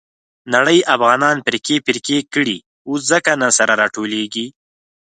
نړۍ افغانان فرقې فرقې کړي. اوس ځکه نه سره راټولېږي.